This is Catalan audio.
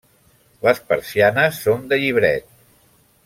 Les persianes són de llibret.